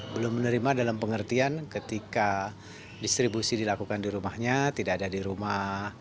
belum menerima dalam pengertian ketika distribusi dilakukan di rumahnya tidak ada di rumah